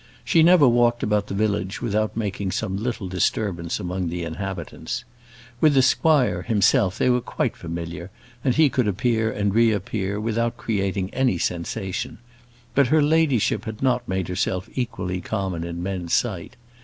She never walked about the village without making some little disturbance among the inhabitants. With the squire, himself, they were quite familiar, and he could appear and reappear without creating any sensation; but her ladyship had not made herself equally common in men's sight.